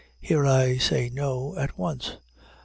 Here I say no, at once.